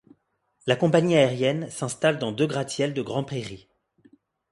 La compagnie aérienne s'installe dans deux gratte-ciel de Grand Prairie.